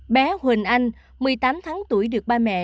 bé huỳnh anh một mươi tám tháng tuổi được ba mẹ